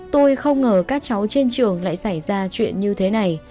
tôi không ngờ các cháu trên trường lại xảy ra chuyện như thế này